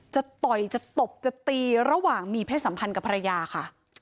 จะต่อยจะตบจะตีระหว่างมีเพศสัมพันธ์กับภรรยาค่ะ